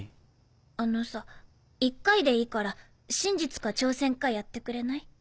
あのさ一回でいいから「真実か挑戦か」やってくれない？